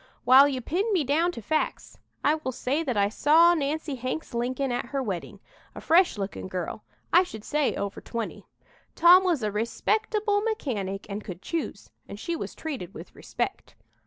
"While you pin me down to facts, I will say that I saw Nancy Hanks Lincoln at her wedding, a fresh looking girl, I should say over twenty. Tom was a respectable mechanic and could choose, and she was treated with respect.